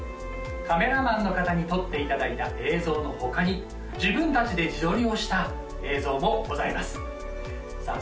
カメラマンの方に撮っていただいた映像の他に自分達で自撮りをした映像もございますさあ